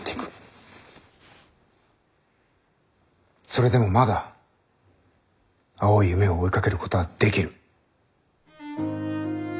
それでもまだ青い夢を追いかけることはできる。